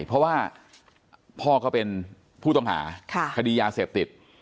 เพราะว่าพ่อก็เป็นผู้ต้องหาคดียาเสพติด